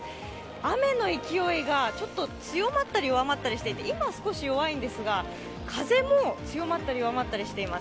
雨の勢いがちょっと強まったり弱まったりしていて、今少し弱いんですが、風も強まったり弱まったりしています。